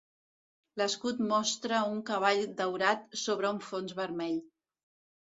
L'escut mostra un cavall daurat sobre un fons vermell.